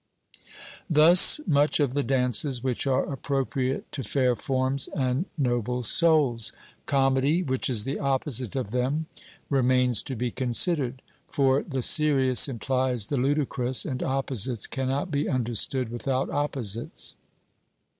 Thus much of the dances which are appropriate to fair forms and noble souls. Comedy, which is the opposite of them, remains to be considered. For the serious implies the ludicrous, and opposites cannot be understood without opposites.